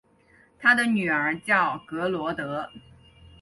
他的女儿叫格萝德。